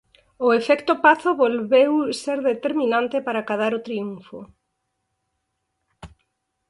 O efecto Pazo volveu ser determinante para acadar o triunfo.